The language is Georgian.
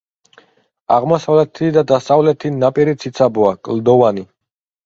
აღმოსავლეთი და დასავლეთი ნაპირი ციცაბოა, კლდოვანი.